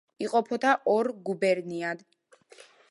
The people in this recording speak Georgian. იყოფოდა ორ გუბერნიად.